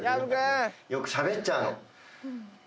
よくしゃべっちゃうの。